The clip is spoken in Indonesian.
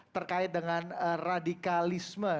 terkait dengan radikalisme